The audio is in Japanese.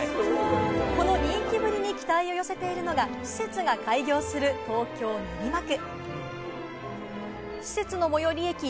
この人気ぶりに期待を寄せているのが、施設が開業する東京・練馬区。